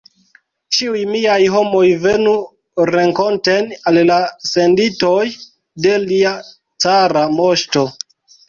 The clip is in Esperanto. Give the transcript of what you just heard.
Ĉiuj miaj homoj venu renkonten al la senditoj de lia cara moŝto!